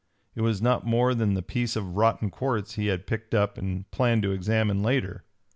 It was not more than the piece of rotten quartz he had picked up and planned to examine later.